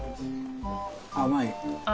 甘い。